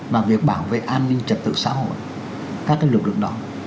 và việc bảo vệ an ninh trật tự xã hội các lực lượng đó